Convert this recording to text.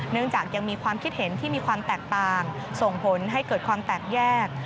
เนื่องจากยังมีความคิดเห็นที่มีความแตกต่างส่งผลให้เกิดความแตกแยก